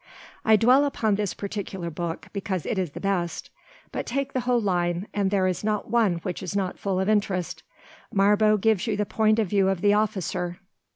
I dwell upon this particular book because it is the best; but take the whole line, and there is not one which is not full of interest. Marbot gives you the point of view of the officer.